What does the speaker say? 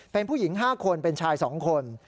เป็นผู้หญิง๕คนเป็นชาย๒คน